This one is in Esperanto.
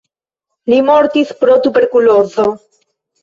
Li mortis pro tuberkulozo.